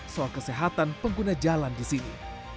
soal kesehatan pengguna jalan di sini